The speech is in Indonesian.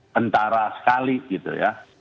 kentara sekali gitu ya